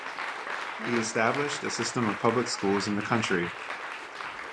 He established a system of public schools in the country.